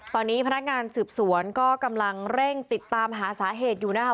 ตอนนี้พนักงานสืบสวนก็กำลังเร่งติดตามหาสาเหตุอยู่นะคะ